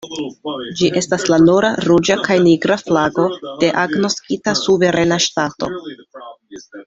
Ĝi estas la nura ruĝa kaj nigra flago de agnoskita suverena ŝtato.